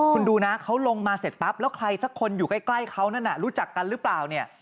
คุณดูนะเขาลงมาเสร็จปั๊บแล้วใครสักคนอยู่ใกล้เขานั่นน่ะรู้จักกันหรือเปล่าเนี่ย